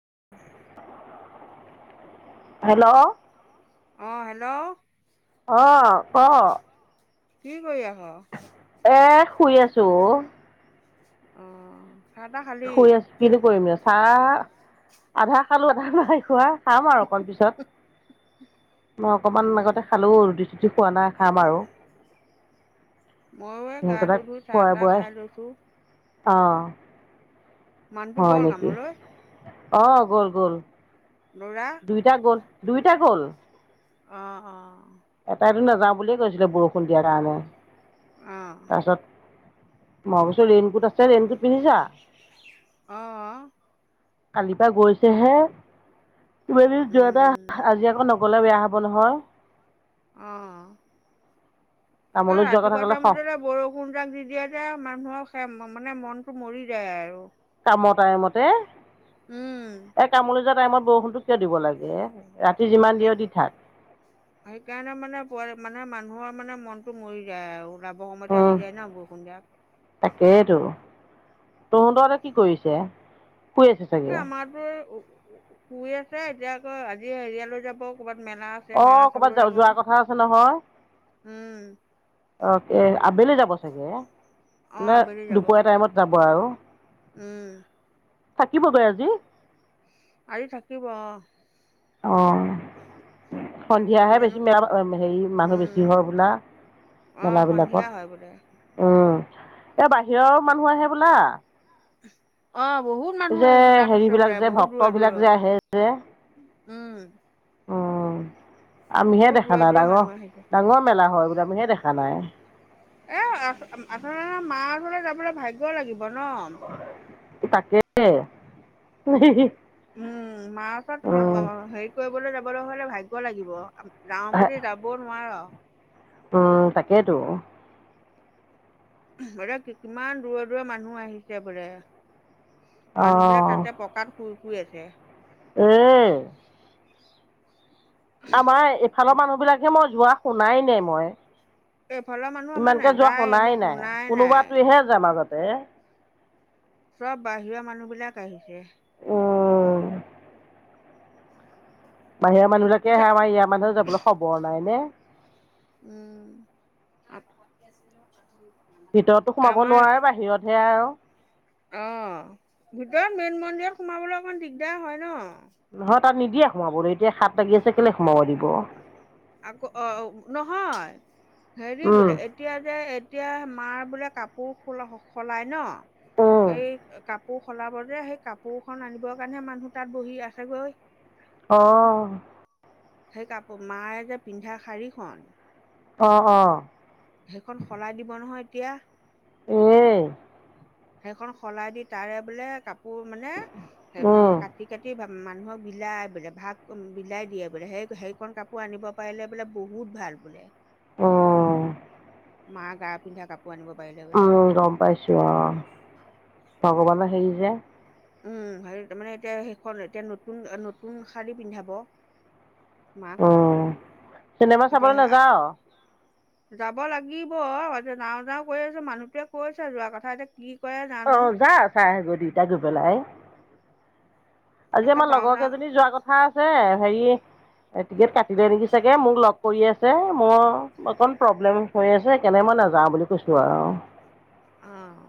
[unintelligible] Hello. অঁ, hello. অঁ, ক। কি কৰি আচ? এ শুই আছো। অঁ। চাহ তাহ খালি শুই আছো পিনো কৰিমনে চাহ আধা খালো আধা নাই খোৱা। চাম আৰু অকণ পিছত। মই অকমান উম আগতে খালো ৰুটি চুটি খোৱা নাই খাম আৰু। ময়ো এই গাটো সিহঁতকেইটাক ধুই চাহ খোৱাই তাহ বোৱাই খাই লৈছোঁ। অঁ। মানুহটো গল কামলৈ। অ গ'ল গ'ল ল'ৰা দুইটা গ'ল দুইটা গ'ল অ অ এটাইতো নাযাওঁ বুলিয়ে কৈছিলে বৰষুণ দিয়াৰ কাৰণে অঁ তাৰপিছত মই কৈছোঁ ৰেইনকোট আছে ৰেইনকোট পিন্ধিছা অ কালিৰ পৰা গৈছেহে কিমান দিন যোৱা এটা আজি আকৌ নগলে বেয়া হ'ব হব নহয় অহ এ কামলৈ যোৱা কথা ৰাতিপুৱা ক'লে খং টাইমটোতে বৰষুণ যাক দি দিয়া যে মানুহৰ খে মানে মনটো মৰি যায় আৰু কামৰ টাইমতে উম এ কামল যোৱা টাইমত বৰষুণতটো কিয় দিব লাগে ৰাতি যিমান দিয় দি থাক সেই ক নে মানে প মানে মানুহৰ মানে মনতটো মৰি যায় আৰু যাব সমতে আহি উম যায় ন বৰষুণ দিয় তহঁততে কি কৰিছে? শুই আছে চাগে এ আমাৰতো শুই আছে এতিয়া আকৌ আজি হেৰিয়ালৈ যাব। ক'ৰবাত মেলা আছে অ মেলা ক'ৰবাত চাবলৈ য যাব যোৱাৰ কথা আছে নহয় উম অ আবেলি যাব? চাগে অ নে আবেলি যাব দুপৰীয়া টাইমত যাব আৰু উম। থাকিবগৈ আজি? আৰি থাকিব। আহ। আজি থাকি সন্ধিয়াহে জানো বেছি কেত- মৰা হেৰি মানুহ উম বেছি হয় বোলা। অ সন্ধিয়া হয় বোলে মেলাবিলাকত উ। এ বাহিৰৰ মানুহ আহে বোলে। [unintelligible] এই মানুহ যে আহিছে তাত হেৰি আছে বোলে বিলাক যে বহুত দূৰে ভক্ত দূৰৰ বিলাক যে আহে যে উম উম আমিহে বহুত দেখা দূৰে নাই দূৰে ডাঙৰ মানুহ আহিছে ডাঙৰ মেলা হয় বলে আমিহে দেখা নাই। এ আচল আচলতে মা ওচলৈ যাবলৈ ভাগ্য লাগিব ন। তাকে। উম মাওচত উম [unintelligible] হেৰি কৰিবলৈ যাবলৈ হলে ভাগ্য লাগিব। যাও বুলি যাব নোৱাৰ। উ তাকেইেতো। বৰে কিমান দূৰৰ দূৰ মানুহ আহিছে বোলে। অ মানুহবিলাক তাতে পকাত শুই শুই আছে। উম আমাৰ এফালৰ মানুহবিলাকহে মই যোৱা শুনাই নাই মই। এইফালৰ মানুহ আমাৰ ইমানকে যোৱা নাযায় মই শুনাই নাই নাই কোনোবাটোৱেহে যায় মাজত। এ চব বাহিৰৰ মানুহ বিলাক আহিছে। অহ বাহিৰা মানুহবিলাকে এতিয়া আহে আমাৰ ইয়াৰ মানুহ যাবলৈ খবৰ নাই নে। উম ভিতৰতো সোমাব আমাৰ নোৱাৰে বাহিৰতহে আৰু। অ' ভিতৰত মেইন মন্দিৰ সোমাবলৈ অকমান দিগদাৰ হয় ন নহয় তাত নিদিয়ে সোমাবলৈ এতিয়া হাত লাগি আছে কেলে সোমাব দিব। আকৌ অ' নহয়, হেৰি উম বোলে এতিয়া যে এতিয়া মাৰ বোলে কাপোৰ সলাই ন উম এই কাপোৰ সলাব যে সেই কাপোৰ খন আনিবৰ কাৰণেহে মানুহ তাত বহি আছেগৈ। অঁ। সেই কাপোৰ মায়ে যে পিন্ধা শাৰীখন অঁ অঁ। সেইখন সলাই দিব নহয় এতিয়া। উম। সেইখন সলাই দি তাৰে বোলে কাপোৰ মানে উম, কাটি - কাটি ভ মানুহক বিলাই বোলে ভাগ বিলাই দিয়ে বোলে সেই সেইখনণ কাপোৰ আনিব পাৰিলে বোলে বহুত ভাল। বোলে। অঁ। মা গা পিন্ধা কাপ অ গম পাইছো অহ বোলে ভগৱানো হেৰি যে উম সেৰি তাৰ মানে এতিয়া সেইখন এতিয়া নতুন নতুন শাৰী পিন্ধাব মাক অ চিনেমা চাবলে এতিয়া নাযাওঁ যাব লাগিব আজি যাওঁ যাও কৈ আছো মানুহটোৱে কৈছে যোৱা কথা এতিয়া কি কৰে জানো অ যা চাহ আহা গৈ দুটাই গৈ পেলাই আজি এনেকে আমাৰ যাওঁ লগৰ যাওঁ কেইজনী যোৱা কথা আছে সেই টিকেট কাটিলে নেকি চাগে মোক লগ কৰি আছে মোৰ অকণ প্ৰব্লেম হৈ আছে কেনে মই নাযাওঁ বুলি কৈছো আৰু উম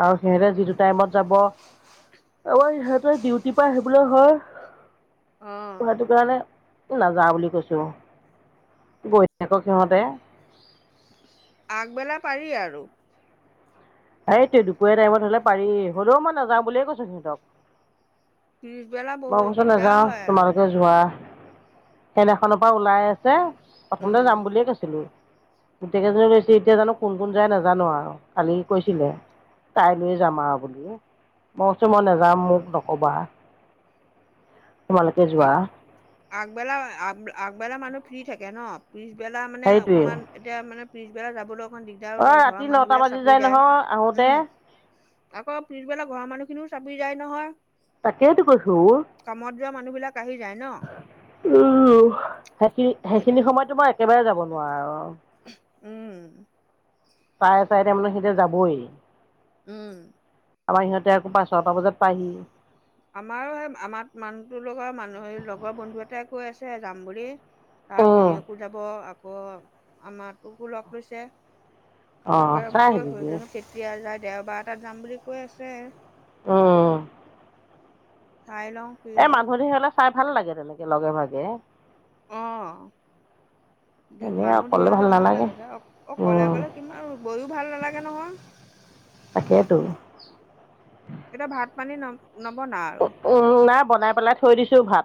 আও সিহঁতে যিটো টাইমত যাব আকৌ সিহঁতৰ ডিউটিৰ পৰা আহিবলৈ হয় অঁ পঢ়াটো কাৰণে নাযাওঁ বুলি কৈছোঁ গৈ থাকক সিহঁতে আগবেলা পাৰি আৰু। এইটোই দুপৰীয়া টাইমত হলে পাৰি হলেও মই নাযাওঁ বুলিয়ে কৈছো সিহঁতক। পিছবেলা মই বহুত কৈছো দিগদাৰ নাযাও হয় আৰু। তোমালোকে যোৱা সেইদিখনৰ পৰা ওলাই আছে। প্ৰথমতে উম। যাম বুলিয়ে কৈছিলো। টকেইজনী গৈছে এতিয়া জানো কোন কোন যায় নাজানো আৰু কালি কৈছিলে। তাইলৈ যাম আৰু বুলি মই কছো মই নাযাম মোক নক'বা। তোমালোকে অ জোৱা। আগবেলা আগবেলা মানুহ ফ্ৰী থাকে ন পিছবেলা মানে সেইটোৱে অকমান এতিয়া মানে। পিছবেলা যাবলৈ অসুবিধা অ ৰাতি নটা বাজি যায় নহয় আহোতে। উম। আকৌ পিছবেলা ঘৰৰ মানুহখিনিও চাবি যায় নহয়। তাক কেইেত কৈছো। মানুহ বিলাক আহি যায় ন। উম সেইখিনি সেইখিনি সময়তো। তোমাৰ একেবাৰে যাব নোৱাৰা আৰু। উম চাৰে চাৰে টাই মানে সেইতিয়া যাবই। উম। আমাৰ সিহঁতে আকৌ পাঁচ ছটা বজাত পায়হি। আমাৰো সেই আমাৰ মানুহটো লগৰ মানুহ লগৰ বন্ধু এটাই কৈ আছে যাম বুলি। তাৰ উম ঘনীয়েকো যাব আকৌ আমাৰটোকো লগ লৈছে। অঁ তাকে চাই কৈ শ আহিবিগৈ জানো কেতিয়া যায় দেওবাৰ এটাত যাম বুলি কৈ আছে। উম। চাই লওঁ কি এই হয়। মানুহ ঢেৰ হ'লে চাই ভাল লাগে তেনেকে লগে ভাগে। অহ। এনেই মানুহ ধেৰ অকলে হ'লে ভাল নালাগে লাগে অ' অকলে উম অকলে কিমান গৈ ভাল নালাগে নহয়। তাকেইতো। এতিয়া ভাত-পানী ন' নবনাও উ, আৰু উম নাই বনাই পেলাই থৈ দিছো ভাত।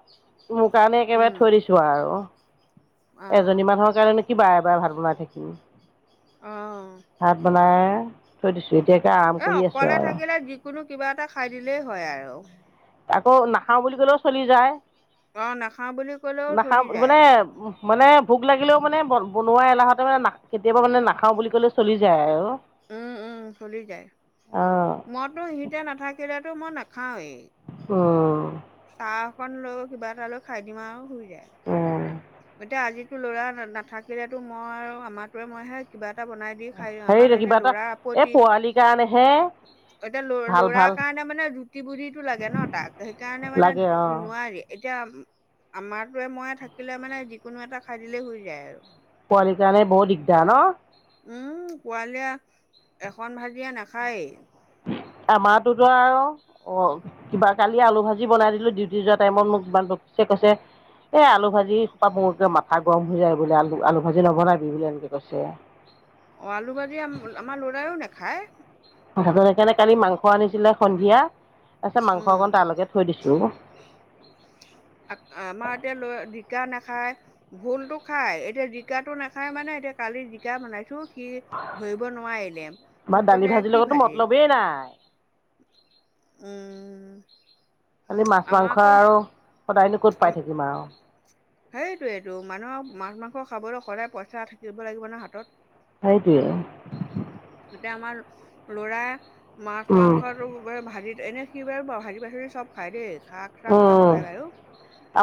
মোৰ কাৰণে একেবাৰে উম। থৈ দিছো আৰু অ এজনী মানুহৰ কাৰণে নো কি বাৰে বাৰে ভাত বনাই থাকিম। অ ভাত বনাই থৈ দিছো। এতিয়াকে আৰাম এ কৰি আছো অকলে আৰু। থাকিলে যিকোনো কিবা এটা খাই দিলেই হয় আৰু। আকৌ নাখাঁও বুলি ক'লেও চলি যায়। অ নাখাওঁ বুলি ক'লেও নাখাঁও চলি মানে যায় উ মানে ভোক লাগিলেও মানে ব বনোৱা এলাহতে মানে কেতিয়াবা মানে নাখাও বুলি কলে চলি যায় আৰু উম, উম চলি যায় অঁ মইতো সিহঁতে নাথাকিলেতো মই নাখা খাও এই উম চাহ অকন লৈ কিবা এটা লৈ খাই দিম আৰু শুই, উম এতিয়া আজিতো লৰা নাথাকিলেতো মই আৰু আমাৰয়ে মইহে কিবা, এটা বনাই দি খাই যাম। কিবা এটা এই পোৱালিৰ কাৰণেহে, এতিয়া ল ভাল লৰাাৰ ভাল কাৰণে মানে জুতি বুটিটো লাগে ন তাক সেইকাৰণে মানে লাগে অঁ উ, নোৱাৰি এতিয়া আমাৰটোৱে মই থাকিলে মানে যিকোনো এটা খাই দিলেই হৈ যায় আৰু। পোৱালিকা নে বৰ দিগদাৰ ন। পোৱালীয়ে এখন ভাজিয়া নাখায়েই। আমাৰোতো আৰু অ' কিবা কালি আলু ভাজি বনাই দিলো ডিউটি যোৱা টাইমত মোক ইমান চ কৈছে, এ আলু ভাজি খোপা মকে মাথা গৰম হৈ যায় বোলে আলু-আলু ভাজি নবনাবি বুলি এনেকে কৈছে। অ' আলু বাজি আমাৰ লৰাও নেখায়। ৰ সেইকাৰণে কালি মাংস আনিছিলে সন্ধিয়া, তাৰপিছত মাংস উম অকণ তালৈকে থৈ দিছো। খাই ভোলতো খাই এতিয়া জিকাটো নাখায় মানে এতিয়া কালি জিকা বনাইছো, সি ধৰিব নোৱাৰিলে বা মোক দালি কৈছে ভাজিৰ কি লগতো ভাজি, মতলবেই নাই উম, খালি মাছ আমাৰ মাংস আকৌ আৰু সদায়নো ক'ত পাই থাকিম আৰু। সেইটোয়েইটো মানুহৰ মাছ মাংস খাবলৈ সদায় পইচা থাকিব লাগিব ন হাতত। সেইটোৱে। এতিয়া আমাৰ লৰাই মাছ উম মাংসটো ভাজিত এনে সি বাৰু ভাজি পাচলি চব খাই দেই। শাক চাক চব উম, খায় বাৰু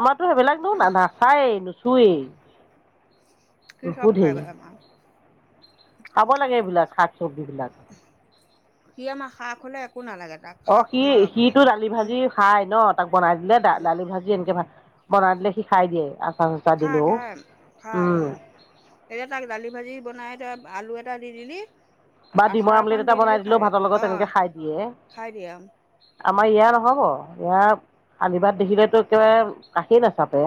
আমাৰতো সেইবিলাক নো না নাচায়েই নুচোৱেই। সি চব খাই বাৰু আমাৰ। খাব লাগে এইবিলাক শাক চব্জিবিলাক। সি আমাৰ শাক হ'লে একো নালাগে। তাক অ' শাক সি সিটো দালি ভাজি খাই ন তাক বনাই দিলে দালি ভাজি এনেকে ভাল। বনাই দিলে সি খাই দিয়ে। চাচাৰ দিলেও খাই-খাই-খাই উম, এতিয়া তাক দালি ভাজি বনাই ত আলু এটা দি দিলি। বা আচাৰ ডিমৰ অকণ আমলেট দি এটা দিলি বনাই খাই দিলেও দিয়ে ভাতৰ লগত অঁ তেনেকে খাই দিয়ে খাই দিয়ে অঁ আমাৰ ইয়াৰ ন। হব ইয়াৰ আলিবাট দেখিলেতো একেবাৰে কাষেই নাচাপে।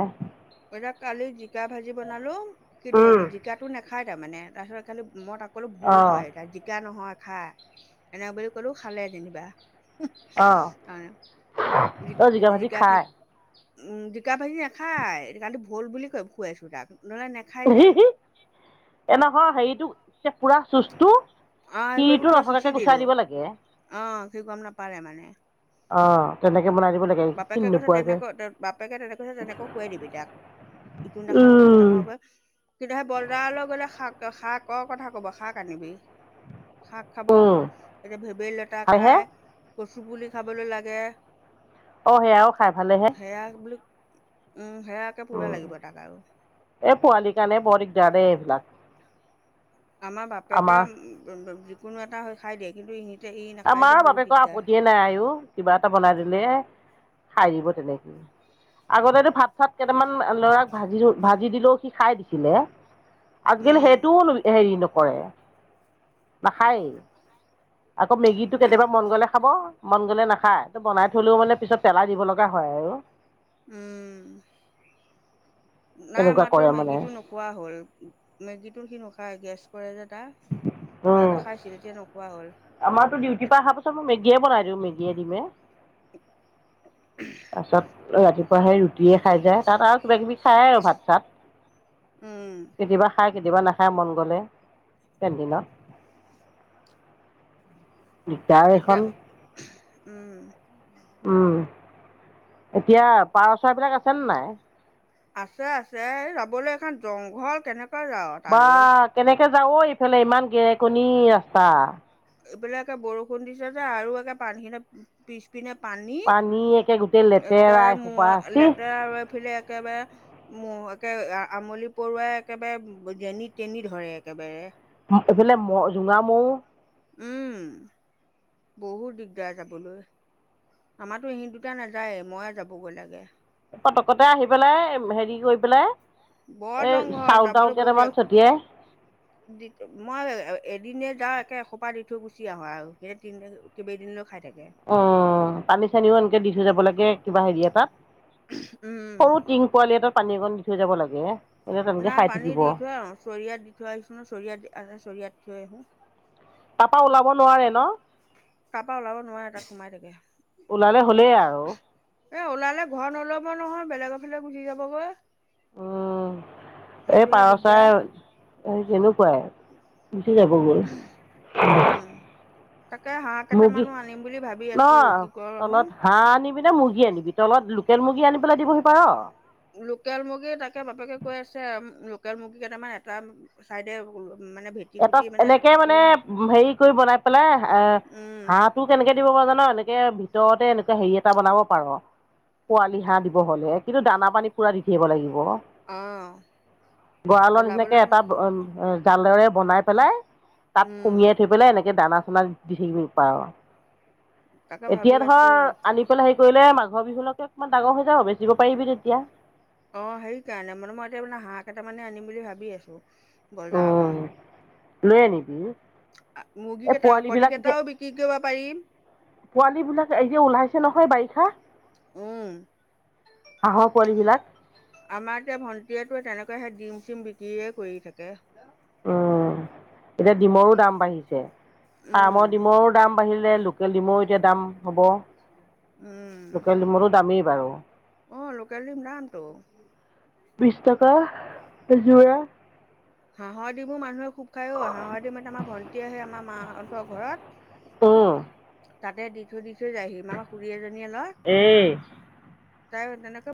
এতিয়া কালি জিকা ভাজি বনালো কি ধৰিব অ', জিকাটো নেখাই। খায় তাৰমানে তাৰপিছত খালি মই তাক কলো ভুল অ', হয় তাত জিকা নহয়। খাই এনেক বুলি ক'লেও খালে যেনিবা। অ', কাৰণে জিকা ভাজি জিকাখিনি খাই। উম, জিকা ভাজি নাখায় সেইটো কাৰণে ভুল বুলি কয় খোৱাইছোঁ তাক। নহ'লে নাখায় যে এনেকুৱা হেৰিটো এ পুৰা চুচটো, অহ এইবোৰ সিৰটো পুৰা নথকাকে চুচি গুচাই দিলো দিব লাগে। আহ সি গম নাপালে মানে অ' তেনে বাপেকে কৈছে তেনেকৈ বাপেকে তেনেকৈ কৈছে তেনেকৈ খুৱাই দিবি তাক। ইটো নাখাও সিটো উম, নাখাও কৰে। কিন্তু সেই বজাৰলৈ গ'লে শাক-শাকৰ কথা কব শাক আনিবি। শাক খাব উম, এতিয়া ভেবেলি লতা হয়হে খাই কচু পুলি খাবলৈ লাগে। অ' সেয়াও খাই। ভালেহে। সেয়া বুলি উম, সেয়া একে পুৰা উম, লাগিব তাক আৰু। এই পোৱালি কাৰণে বৰ দিগদাৰ দে এইবিলাক। আমাৰ বাপেকে আমাৰ যিকোনো এটা হৈ খাই দিয়ে কিন্তু ই নাখায় যে আমাৰ বহুত বাপেকৰ দিগদাৰ আপত্তিয়ে নাই আইঅ' কিবা এটা বনাই দিলে খাই দিব তেনেকে আগতেতো ভাত চাত কেইটামান লৰাক, ভাজি-ভাজি দিলেও সি খাই দিছিলে আজিকালি উম সেইটোও হেৰি নক কৰে, নাখায়েই। আকৌ মেগীটো কেতিয়াবা মন গ'লে খাব, মন গ'লে নাখায়, তয় বনাই থলেও মানে পিছত পেলাই দিব লগা হয় আৰু। উম। নাই তেনেকুৱা আমাৰতোয়ে কৰে মানে মেগীতো নোখোৱা হ'ল, মেগীতো সি নেখাই গেছ কৰে যে। তাৰ, উম, আগতে খাইছিল এতিয়া নোখোৱা হ'ল, এত কীয়ে বনাই দিওঁ, মেগীয়ে, দিমে। তাৰপিছত ৰাতিপুৱা সেই ৰুটিয়ে খাই যায়, তাত আৰু কিবা কিবি খায় আৰু ভাত চাত। উম কেতিয়াবা খায় কেতিয়াবা নাখায়, মন গ'লে কেণ্টিনত। [inaudible] দিগদাৰ এতিয়া এইখন, উম উম। এতিয়া পাৰ চৰাই বিলাক আছেনে নাই? আছে আছে, এ যাবলৈ এইখন জংঘল কেনে বা কেনেকে যা ঐ এইফালে? ইমান গেৰেকনি ৰাস্তা। এইবিলাকে বৰষুণ দিছে যে আৰু একে পানী খেনে পিছ পিনে পানী একে গোটেই একে লেতেৰা মুৱা, এসোপা চি লেতেৰা আৰু এইফিলে একেবাৰে মুৱা কে আমলি পৰুৱাই একেবাৰে যেনি তেনি ধৰে একেবাৰে। এইফালে ম, জোঙা মৌ উম বহুত দিগদাৰ যাবলৈ। আমাৰটো ইহিট দুটা নাযায়ে, মইে যাবগৈ লাগে। পতকতে আহি পেলাই হেৰি কৈ পেলাই বৰ এই জংঘল, চাউল তাউল যাবলৈ বহুত কেইটামান এক, ছটিয়াই জিক মই এত এদিনে যাওঁ একে এসোপা দি থৈ গুচি আহোঁ আৰু সেই তিনদিন, কেইবেইদিনো খাই থাকে। অ', পানী চানীও এনেকে দি থৈ যাব লাগে কিবা হেৰি এটাত। উম সৰু টিং পোৱালি এটাত পানী অকন দি থৈ যাব লাগে। এনে তেনেকে নাই খাই পানী থাকিব দি থৈ আহোঁ, চৰিয়াত দি থৈ আহিছোঁ ন চৰিয়াত আছে চৰিয়াত থৈ আহোঁ। তাৰাপা ওলাব নোৱাৰে ন? তাৰাপা ওলাব নোৱাৰে তাত সোমাই থাকে। ওলালে হ'লেই আৰু এ ওলালে ঘৰ নল'ব নহয় বেলেগৰ ফালে গুচি যাবগৈ। উম, এই সেইটোহে পাৰ চাই দিগদাৰ এই যেনেকুৱাই। গুচি যাবগৈ। উম তাকে হাঁহ মুগী, কেইটামানো আনিম বুলি ভাবি ন আছো কি কৰো আহো তলত হাঁহ আনিবি নে মুৰ্গী আনিবি? তলত লোকেল মুৰ্গী আনি পেলাই দিবহি পাৰ। লোকেল মুৰ্গী, তাকে বাপেকে কৈ আছে লোকেল মুৰ্গী কেইটামান এটা চাইডে মানে ভেটি এটা কুটি এনেকে তাতো মানে থৈ দিম। হেৰি কৰি বনাই পেলাই, এ উম হাঁহটো কেনেকে দিব পৰা জান, এনেকে ভিতৰতে এনেকুৱা হেৰি এটা বনাব পাৰ, পোৱালি হাঁহ দিব হ'লে। কিন্তু দানা পানী পূৰা দি থাকিব লাগিব। অ গঁৰালৰ নিচিনাকে ওলাবলৈ এটা অহ, অ', জালৰে বনাই পেলাই তাত উম সুমিয়াই থৈ পেলাই এনেকে দানা চানা দি থাকিব পাৰ তাকে ভাবি এতিয়া ধৰ আছো আনি পেলাই হেৰি কৰিলে মাজ মাঘৰ বিহুলৈকে অকমান ডাঙৰ হৈ যাব, বেচিব পাৰিবি তেতিয়া। অ', সেই কাৰণে, মানে মই এতিয়া মানে হাঁহ কেইটামানে আনিম বুলি ভাবি আছোঁ। বজাৰৰ উম পা। লৈ আনিবি। মুৰ্গী এই কেইটাও, পোৱালী কণী কেইটাও বিক্ৰী কৰিব পাৰিম। পোৱালীবিলাক এই যে ওলাইছে নহয় বাৰিষা। উম। হাঁহৰ পোৱালী বিলাক। আমাৰ এতিয়া ভণ্টীয়েতো তেনেকৈ সেই ডিম চিম বিক্ৰীয়ে কৰি থাকে। উম, এতিয়া ডিমৰো দাম বাঢ়িছে। ফাৰ্মৰ উম ডিমৰো দাম বাঢ়িলে লোকেল ডিমৰো এতিয়া দাম হ'ব। উম লোকেল মোৰো দামেই বাৰু। অ', লোকেল দিম দামটো। বিশছ টকা যোৰা। হাঁহৰ ডিমো মানুহে খুব খায় অ‌', হাঁহৰ ডিম আমাৰ ভণ্টি আহে আমাৰ মাহঁতৰ ঘৰত উম, তাতে দি থৈ দি থৈ যায়হি ম খুৰী এজনীয়ে লয় এই তাই তেনেকৈ